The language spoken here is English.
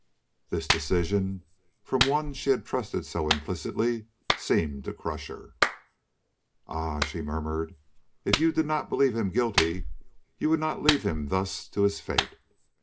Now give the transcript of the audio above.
This decision, from one she had trusted so implicitly, seemed to crush her. "Ah," she murmured, "if you did not believe him guilty you would not leave him thus to his fate."